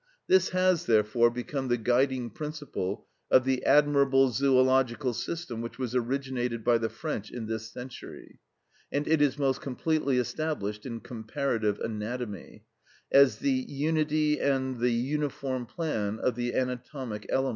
This has, therefore, become the guiding principle of the admirable zoological system which was originated by the French in this century, and it is most completely established in comparative anatomy as l'unité de plan, l'uniformité de l'élément anatomique.